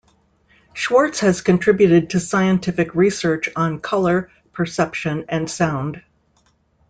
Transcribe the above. Schwartz has contributed to scientific research on color perception and sound.